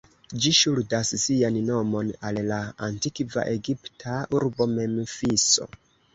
Ĝi ŝuldas sian nomon al la antikva egipta urbo Memfiso.